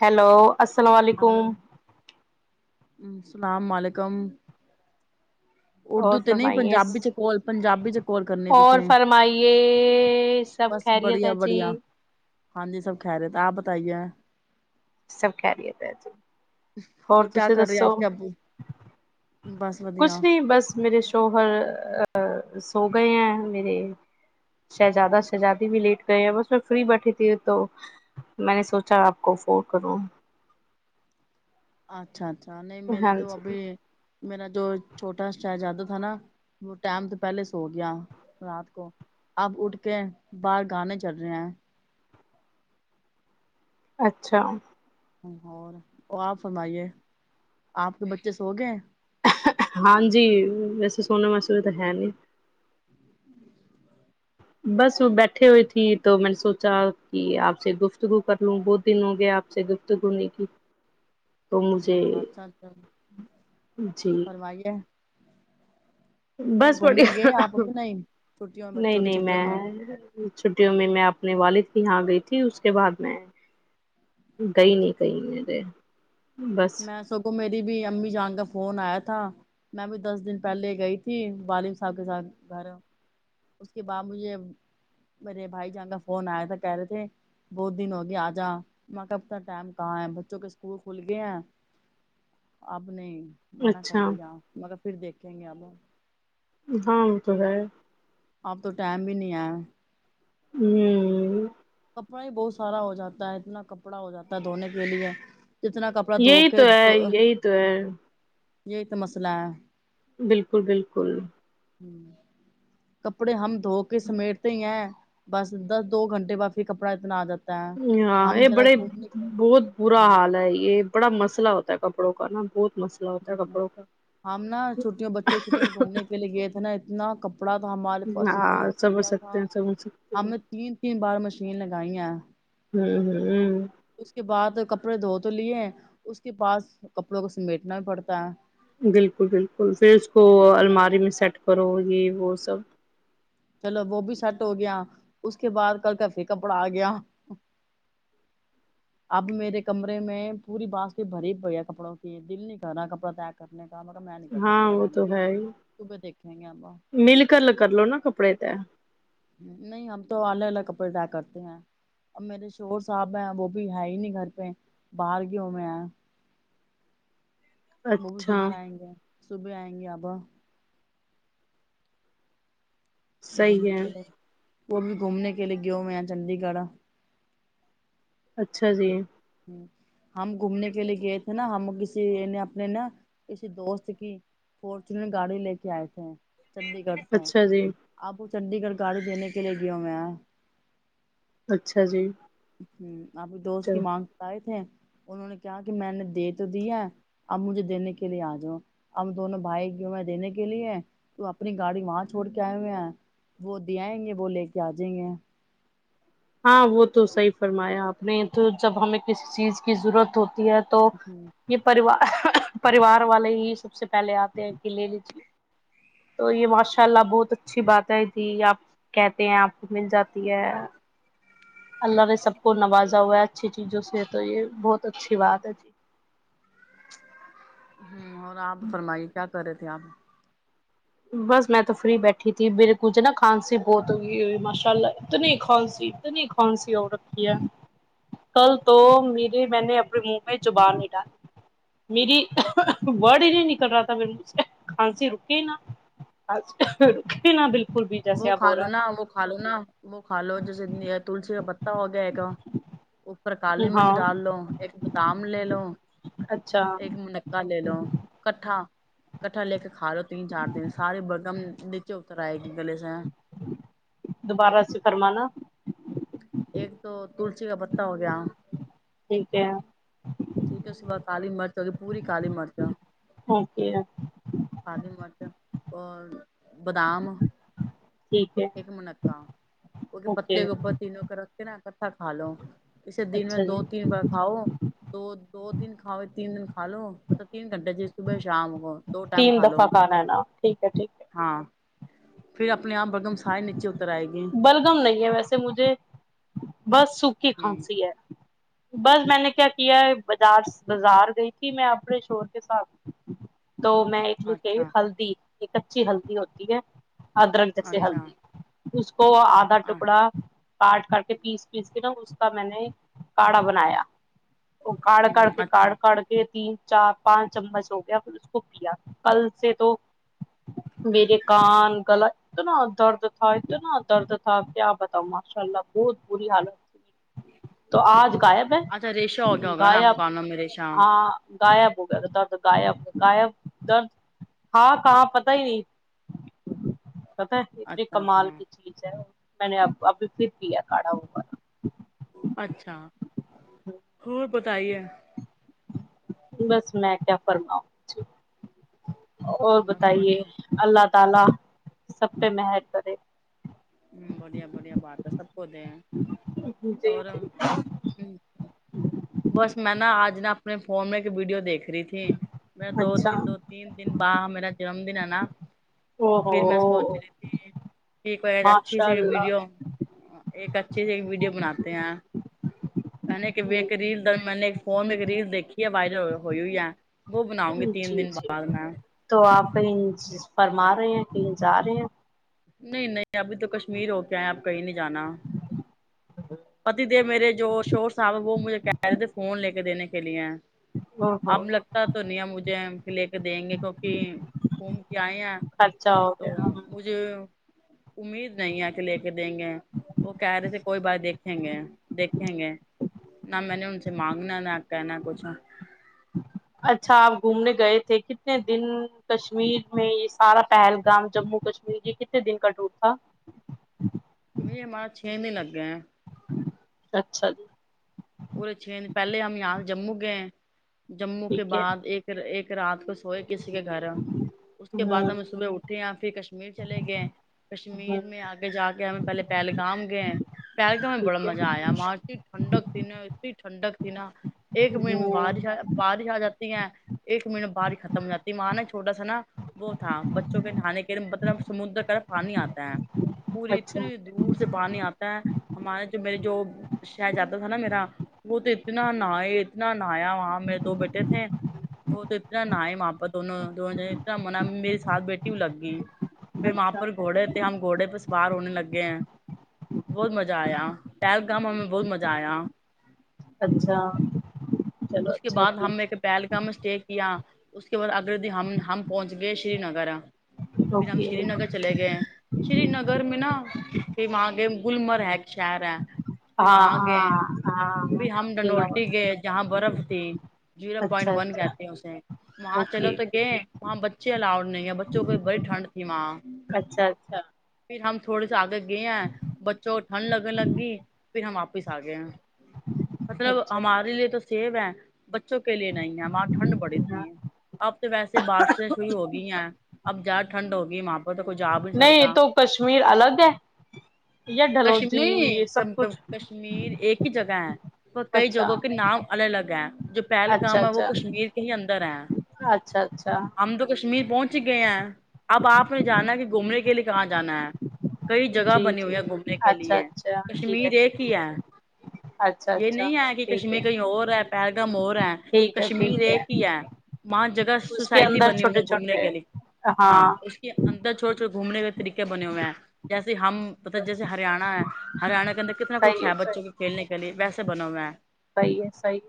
hello السلام علیکم ہم سلام و علیکم اردو اور تو نہیں فرمائیے پنجابی سے کال پنجابی سے کال کرنی تسے اور فرمائیے سب بس خیریت بڑھیا ہے جی بڑھیا ہاں جی سب خیریت ہے آپ بتائیے سب خیریت ہیں جی ہو اور کیا تسی کر رہے دسو آپ کے آبو بس ودیا کچھ نہیں بس میرے شوہر سو گئے ہیں میرے شہزادہ شہزادی بھی لیٹ گئے ہیں بس میں فری بیٹھی تھی ہوں تو میں نے سوچا آپ کو فون کروں اچھا اچھا نہیں میرے ہاں تو جی ابھی میرا جو چھوٹا شہزادہ تھا نا وہ ٹائم تو پہلے سو گیا رات کو اب اٹھ کے باہر گانے چل رہے ہیں اچھا اور اور آپ فرمائیے آپ کے بچے سو گئے ہاں جی ویسے سونے مسول تو ہے نہیں بس وہ بیٹھے ہوئے تھی تو میں نے سوچا کہ آپ سے گفتگو کر لوں بہت دن ہو گیا آپ سے گفت گفتگو نہیں کی تو مجھے ہوں، اچھا جی کمائی ہے بس پڑ گئے آپ کہ نہیں چھٹیوں میں نہیں بچوں کی نہیں چھٹیوں میں چھٹیوں میں میں اپنے والد کی یہاں گئی تھی اس کے بعد میں گئی نہیں کہیں میرے بس میں سگوں میری بھی امی جان گا فون آیا تھا میں بھی دس دن پہلے گئی تھی والد صاحب کے ساتھ گھر اس کے بعد مجھے میرے بھائی جان کا فون آیا تھا کہہ رہے تھے بہت دن ہوگیا آ جا ماں کب تک ٹائم کہاں ہے بچوں کے اسکول کھل گئے ہیں اب نہیں منع اچھا کر ہاں دیا مگر پھر دیکھیں گے اب ہاں وہ تو ہے اب تو ٹائم بھی نہیں آیا ہوں کپڑا ہی بہت سارا ہو جاتا ہے اتنا کپڑا ہو جاتا ہے دھونے کے لیے جتنا کپ یہی تو ہے یہی تو ہے یہی تو مسئلہ ہے بالکل بالکل ہم کپڑے ہم دھو کے سمیٹتے ہی ہیں بس دس دو گھنٹے بعپ کپڑا اتنا آ جاتا ہے ہاں ہم یہ ذرا بڑے گھومنے بہت برا حال ہے یہ بڑا مسئلہ ہوتا ہے کپڑوں کا نا بہت مس ہم نا چھوٹیوں بچوں چھوٹیوں میں گھومنے کے لیے گئے تھے نا اتنا کپ کپڑا تھا ہمارے پاس اتنا ہاں سمجھ کپڑا تھا سکتے ہیں سمجھ سکتے ہم ہیں نے تین تین بار مشین لگائی ہیں ہم ہم اس کے بعد کپڑے دھو تو لیے ہیں اس کے پعس کپڑوں کو سمیٹنا پڑتا ہے بالکل بالکل پھر اس کو الماری میں سیٹ کرو یہ وہ سب چلو وہ بھی سیٹ ہو گیا اس کے بعد کل کا پھر کپڑا آ گیا [inaudible] اب میرے کمرے میں پوری بانس کے بھری پڑی ہے کپڑوں کی دل نہیں کر رہا کپڑا تے اب پڑے ہیں کپڑے میں نہیں کرتی ہاں پڑے وہ رہنے تو دو ہے ہی، صبح دیکھیں گے آب مل کر کر لو نا کپڑے تے نہیں ہم تو الگ الگ کپڑے طے کرتے ہیں اب میرے شور صاحب ہیں وہ بھی ہے ہی نہیں گھر پہ باہر گئے ہوئے ہے وہ بھی اچھا صبح آئیں گے صبح آئیں گے آب صحیح گھومنے ہے کے لیے وہ بھی گھومنے کے لیے گیا ہوئے ہیں چنڈی گڑھ اچھا جی ہم گھومنے کے لیے گئے تھے نا ہم کسی اپنے نا کسی دوست کی فورچونر گاڑی لے کے آئے تھے چنڈی گڑھ سے اچھا جی آپ وہ چنڈی گڑھ گاڑی دینے کے لیے گیا ہوئے ہے اچھا جی ہ آپکی دوست کی چلو مانگ آئے تھے انہوں نے کیا کہ میں نے دے تو دیا اب مجھے دینے کے لیے آ جاؤ ہم دونوں بھائی جو میں دینے کے لیے تو اپنی گاڑی وہاں چھوڑ کے آئے ہوئے وہ دے آئیں گے وہ لے کے آ جائیں گے ہاں وہ تو صحیح فرمایا آپ نے تو جب ہمیں کسی چیز کی ضرورت ہوتی ہے تو ہوں یہ پوار پریوار والے ہی سب سے پہلے آتے ہیں کہ لے لیجیے تو یہ ماشاء اللہ بہت اچھی باتیں تھی آپ کہتے ہیں آپ کو مل جاتی ہے اللہ نے سب کو نوازا ہوا ہے اچھی چیزوں سے تو یہ بہت اچھی بات ہے جی ہم اور آپ فرمائی کیا کر رہے تھے آپ بس میں تو فری بیٹھی تھی میرے کوھے نا کھانسی بہت ہو گئی ہے ماشاء اللہ اتنی کھانسی اتنی کھانسی ہو رکھی ہے کل تو میری میں نے اپنے منہ پ زبان ہٹال میری بڑ ہی نہیں نکل رہا میرے منہ سے کھانسی رکے ہی نا کھانسی تو کی نہ بالکل بھی جیسے وہ اب کھا ہو رہا لو نا وہ کھا لو نا وہ کھا لو جیسے تلسی کا پتہ ہو گیا ہے کا اوپر کالی ہے مرچ ہاں ڈال لو ایک بادام لے لو اچھا ایک پکا لے لو کٹھا کٹھا لے کے کھا لو تین چار دن سارے برگم نیچے اتر آئے گی گلے سے دوبارہ سے فرمان نا ایک تو تلسی کا پتہ ہو گیا ٹھیک ہے ٹھیک ہے صبح کالی مرچ ہوگئی پوری کالی مرچ آ اوکے کالی مرچ اور بادام ٹھیک ہے ایک منقه کیک پتے اوکے گوپ تینوں کے رکھ کے نا اکٹھا کھا لو اسے دن میں اچھا دو جی تین بار کھاؤ تو دو دن کھاؤ تین دن کھا لو مطلب تین گھنٹے جی صبح شام ہو دو ٹائم کھا لو ہاں ٹھیک ہے ٹھیک ہے ہاں پھر اپنے آپ بگم سارے نیچے اتر آئے گی بلگم نہیں ہے ویسے مجھے بس سوکھی ہوں کھانسی ہے بس میں نے کیا کیا ہے بس بازار گئی تھی میں اپنے شو ہر کے ساتھ تو میں اچھا ہلدی ایک اچھی ہلدی ہوتی ہے ادرک جیسے اچھا ہلدی اس کو ادھا ٹکڑا کاٹ کر کے پیس پیس کے نا اس کا میں نے کاڑھا بنایا وہ کڑ کر کے کڑ اچھا کر کے ت [unintelligible] چار پانچ چمچ ہو گیا پھر اس کو پیا کل سے تو میرے کان گل تو نہ درد تھاائے [unintelligible] اتنا درد تھا کیا بتاؤں ماشاء اللہ بہت بری حالت تھی تو آج غائب ہے اچھا ریشا ہو گیا ہوگا نا آپ کو غائب کام نام میں ریشا ہاں غائب ہو گیا تو درد غائب غائب درد ہاں کہاں پتا ہی نہیں پتا اتنی اچھا کمال اچھا کی چیز ہے میں نے اب ابھی پھر کیا کاڑھا ہو اچھا ہو بتائیے بس میں کیا فرماؤں اور بس بتائیے بڑھیا اللہ تعالی سب پہ مہک کرے ہ بڑیا بڑیا بات ہے سب کو دے جی اور بس میں نا آج نا اپنے فون میں ایک ویڈیو دیکھ رہی تھی میں دو اچھا دو تین دن ب میرا جنم دن ہے نا او ہو پھر میں سوچ کی کر جا ماشاء س اللہ ویڈیو [unintelligible] ایک اچھے سے ایک ویڈیو بناتے ہیں ا نے کہ ایک ریل میں نے فون میں ایک ریل دیکھی ہے وائرل ہوئی ہے وہ بناؤں گی تین جی دن جی بعد میں تو آپ کہیں فرما رہے ہیں کہیں جا رہے ہیں نہیں نہیں ابھی تو کشمیر ہو کے ہے اپ کہیں نہیں جانا پتی دے میرے جو شور صاحب ہیں وہ مجھے کہہ رہے تھے فون لے کے دینے کے لیے ہیں او ہو اب لگتا تو نیا مجھے پھر لے کے دیں گے کیونکہ گھوم کے آئے ہیں اچھا ہو تو گیا مجھے امید نہیں ہے کہ لے کے دیں گے وہ کہہ رہے تھے کوئی بات دیکھ دیکھیں گے نہ میں نے ان سے مانگنا نہ کہنا کچھ اچھا آپ گھومنے گئے تھے کتنے دن کشمیر میں یہ سارا پہلگام جموں کشمیر یہ کتنے دن کا ٹور تھا یہ ہمارا چھ دن لگ گئے ہیں اچھا جی پورے چھ دن پہلے ہم یہاں سے جموں گئے جموں کے ٹھیک ہے بعد ایک ایک رات کو سوئے کسی کے گھر اس کے بعد ہ ہم صبح اٹھے یا پھر کشمیر چلے گئے ہ کشمیر میں آگے جا کے ہمیں پہلے پہلگام گئے پہلگام ہم بڑا ٹھیک ہے مزہ آیا مارکٹ ٹھنڈک تھی نا اتنی ٹھنڈک تھی نا ایک مٹ ہ بارش آجا بارش آ جاتی ہے ایک منٹ میں ختم ہو جاتی ہے وہاں نا چھوٹا سا نا وہ تھا بچوں کے نہانے کے مطلب سمندر کا پانی آتا ہے پوری اچھا اتنی دور سے پانی آتا ہے ہمارے جو میرے جو شہزات بیٹا تھا نا میرا وہ تو اتنے اتنا نایا وہاں میر دو بیٹے تھے وہ تو اتنا نہا ئے وہاں پر دونوں دونوں جانا اتنا مناع میرری ساتھ بیٹھی ہو لگ گئی پھر وہاں پر اچھا گھوڑے تھے ہم گھوڑے پہ سوا ر ہونے لگے ہیں بہت مزہ آیا پہلگام میں ہمیں بہت مزہ آیا اچھا چلو اس کے اچھا بعد ہم نے ٹھیک ایک پہلکام اسٹے کیا اس کے بعد اگل د ن ہم ہم پہنچ گئے شری نگر پھر ہم اوکے شری نگر چلے گئے شری نگر میں نا پھر وہاں گیے ہم گلمرگ ا یک شہر ہے پھر ہاں وہاں گئے ہاں ہاں پھر ہم سنا ہوا ڈنولٹی گئے جہاں برف تھی جیرو ہے پوائنٹ اچھا ون اچھا کہتے ہیں اسے وہاں چلو اوکے تو گئے وہاں بچے الا ؤڈ نہیں ہے بچوں کو بڑی ٹھنڈ تھی وہاں اچھا اچھا پھر ہم تھوڑے سے آگے گئے ہیں بچوں کو ٹھنڈ لگنے لگی پھر ہم واپس آ گئے ہیں مطلب اچھا ہمارے لیے تو سیف ہے بچوں کے لیے نہیں ہے وہاں ٹھنڈ بڑی ہاں تھی اب تو ویسے بارشیں شروع ہو گئی ہیں اب زیادہ ٹھنڈ ہوگی وہاں پہ تو کوئی جا بھی نہیں سکتا تو کشمیر الگ ہے یا کشم ڈھلوجی نہیں یہ سب کم کم کچھ کش کشمیر ایک ہی جگہ ہے اور کئی اچھا جگہوں کے نام الگ الگ ہیں جو اچھا پہلگام ہے وہ اچھا کشمیر کے ہی اندر ہے اچھا اچھا ہم تو کشمیر پہنچ گئے ہیں اب آپ نے جانا کہ گھومنے کے لیے کہاں جانا ہے کئی جگہ جی بنی جی ہوئی ہے گھومنے کے اچھا لیے اچھا ٹھیک ہے کشمیر ایک ٹھیک ہی ہے اچھا یہ اچھا نہیں ہے کہ ٹھیک ہے کشمیر کہیں اور ہے پیگم اور ہے ٹھیک ہے کشمییر ٹھیک یہ ہی ہے وہاں جگہ اس کے سوسائٹی اندر بنی ان چھوٹے گھومنے چھوٹے کے لیے ہاں اس کی اندر چھوڑ چھوٹ گھومنے کے طریقے بنے ہوئے ہیں جیسے ہم بتا جیسے ہریانہ ہے ہریانہ کے اندر کتنا کچھ صحیح ہے صحیح بچوں کے کھیلنے کے لیے ویسے بنے ہوئے ہیں صحیح ہے صحیح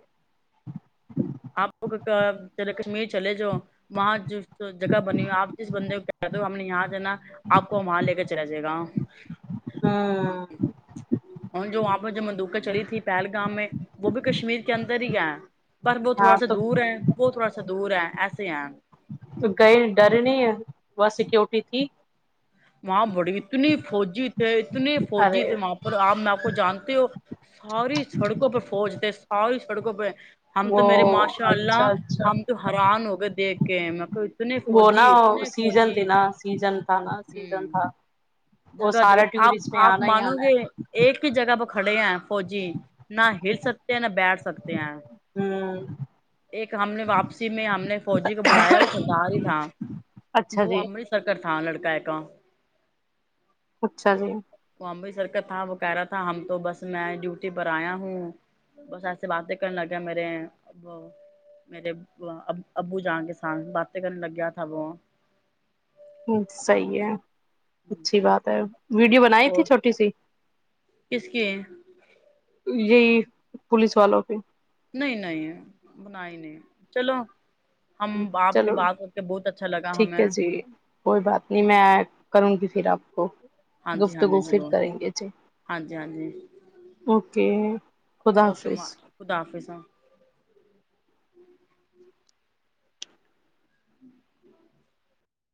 آپ کشمیر چلے جاؤ وہاں جو جگہ بنی ہوئی آپ جس بندے کو کھدو ہم نے یہاں جانا آپ کو وہاں لے کر چلا جائے گا ہاں اور جو وہاں پر جو مندوقیں چلی تھی پہلگام میں وہ بھی کشمیر کے اندر ہی آیا پر وہ ہاں تھوڑا سا تو دور ہے وہ تھوڑا سا دور ہے ایسے ہیں تو گئے ڈرے نہیں ہے وہا ں سیکورٹی تھی وہاں بڑی اتنی فوجی تھے اتنے فوجی ارے تھے وہاں اور آپ نہ تو جانتے ہو ساری سڑکوں پہ فوج تھے ساری سڑکوں پہ ہم تو وہ میرے ماشاء اللہ اچھا اچھا ہم تو حیران ہو گئے دیکھ کے میں کو اتنے وہ نا فوجی اتنے سیزن فوجی ہیں [unintelligible] ہوں تھا وہ جگہ جگہ سارا آپ ٹورسٹ نے آپ آنا ہی مانو آنا گے ایک ہی جگہ پہ کھڑے ہیں فوجی نہ ہل سکتے ہیں نہ بیٹھ سکتے ہیں ہوں ایک ہم نے واپسی میں ہم نے فوجی کو بلایا وہ سردار ہی تھا اچھا وہ جی آمریت کر تھا لڑکا ہے کاں اچھا جی بامبے سر کا تھا وہ کہہ رہا تھا ہم تو بس میں ڈیوٹی بر آیا ہوں بس ایسیے باتیں کرنے لگے میرے میرے ابو جان کے سامنے باتیں کرنے لگ گیا تھا وہ ہوں صحیح ہے اچھی بات ہے ویڈیو بنائی تھی اور چھوٹی سی کس کی ہے یہی پولیس والوں کے نہیں نہیں بنا ہی نہیں چلو ہم آپ سے چلو بات کر کے بہت اچھا لگا ٹھیک ہمیں ہے جی کوئی بات نہیں میں کروں گی پھر آپ کو ہاں جی ہاں گفتگو جی پھر ضرور کرینگے چے ہاں جی ہاں جی اوکے خدا اوکے حافظ خدا حافظ ا [inaudible]